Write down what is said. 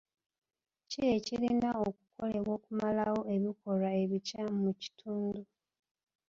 Ki ekirina okukolebwa okumalawo ebikolwa ebikyamu mu kitundu?